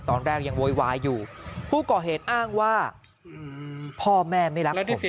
ตอนแรกยังโวยวายอยู่ผู้ก่อเหตุอ้างว่าพ่อแม่ไม่รักแล้วทำสีอร่อย